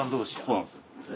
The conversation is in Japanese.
そうなんですよ。